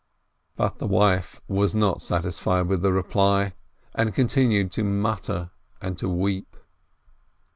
But the wife was not satisfied with the reply, and continued to mutter and to weep.